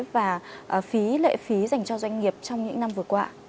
và lợi phí dành cho doanh nghiệp trong những năm vừa qua